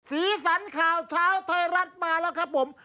สีสันข่าวเช้าไทยรัฐมาแล้วครับผม